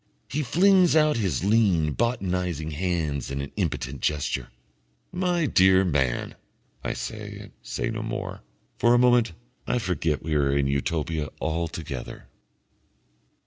He flings out his lean botanising hands in an impotent gesture. "My dear Man!" I say, and say no more. For a moment I forget we are in Utopia altogether.